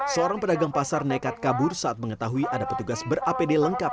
seorang pedagang pasar nekat kabur saat mengetahui ada petugas berapd lengkap